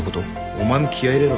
お前も気合い入れろ。